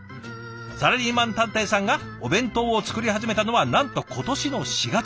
サラリーマン探偵さんがお弁当を作り始めたのはなんと今年の４月。